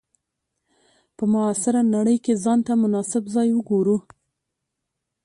په معاصره نړۍ کې ځان ته مناسب ځای وګورو.